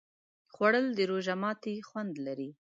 خوړل د روژه ماتي خوند لري